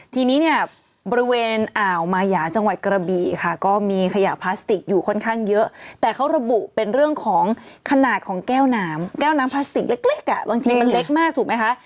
ทีนี้เนี่ยบริเวณอ่าวมายาจังหวัดกระบี่ค่ะก็มีขยะพลาสติกอยู่ค่อนข้างเยอะแต่เขาระบุเป็นเรื่องของขนาดของแก้วน้ำแก้วน้ำพลาสติกเล็กอ่ะบางทีมันเล็กมากถูกไหมคะ